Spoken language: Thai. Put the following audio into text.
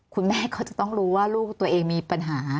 คุณแม่เขาจะต้องรู้ว่าลูกตัวเองมีปัญหา